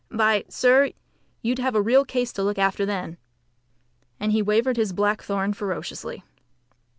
By sir, you'd have a real case to look after then." And he waved his black thorn ferociously.